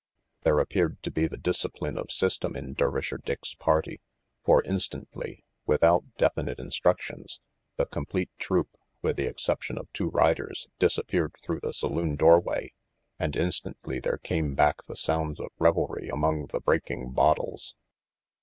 There appeared to be the discipline of system in Dervisher Dick's party, for instantly, without definite instructions, the complete troupe, with the exception of two riders, disappeared through the saloon doorway and instantly there came back the sounds of revelry among the breaking bottles.